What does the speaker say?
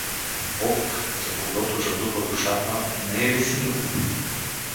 Бог, за когото жадува душата, не е ли символ?